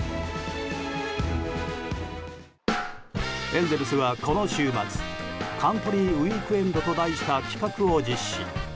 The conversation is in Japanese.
エンゼルスはこの週末カントリー・ウィークエンドと題した企画を実施。